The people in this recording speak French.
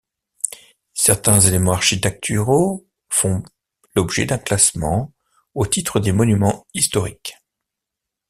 Certains éléments architecturaux font l'objet d'un classement au titre des monuments historiques.